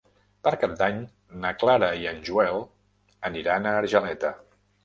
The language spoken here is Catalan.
Per Cap d'Any na Clara i en Joel aniran a Argeleta.